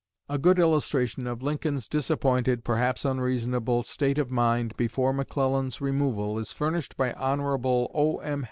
A good illustration of Lincoln's disappointed, perhaps unreasonable, state of mind before McClellan's removal is furnished by Hon. O.M.